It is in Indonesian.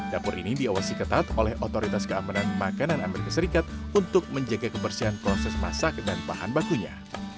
dapur ini diawasi ketat oleh otoritas keamanan makanan amerika serikat untuk menjaga kebersihan proses masak dan bahan bakunya